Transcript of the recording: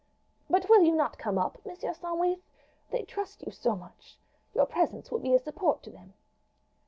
"But will you not come up, Monsieur Sandwith they trust you so much? Your presence will be a support to them."